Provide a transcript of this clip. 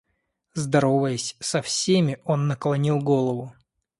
Здороваясь со всеми, он наклонил голову.